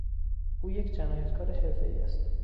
او یک جنایتکار حرفهای است.